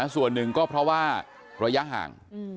ส่วนหนึ่งก็เพราะว่าระยะห่าง